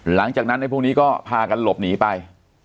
หลังจากนั้นในพวกนี้ก็พากันหลบหนีไป